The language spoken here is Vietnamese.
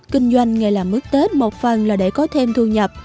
kinh doanh nghề làm mứt tết một phần là để có thêm thu nhập